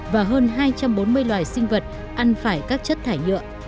và hơn hai trăm bốn mươi loài sinh vật ăn phải các chất thải nhựa